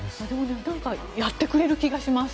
やってくれる気がします。